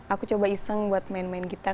aku coba iseng buat main main kita